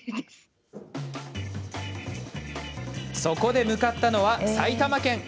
そこで、向かったのは埼玉県。